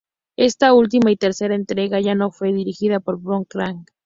Esta última y tercera entrega ya no fue dirigida por Bob Clark.